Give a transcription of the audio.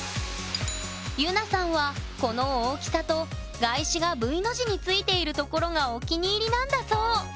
ゆなさんはこの大きさとがいしがＶの字についているところがお気に入りなんだそう。